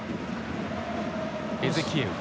エゼキエウ。